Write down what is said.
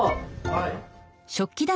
はい。